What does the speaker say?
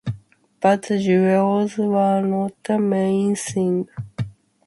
But the jewels were not the main thing.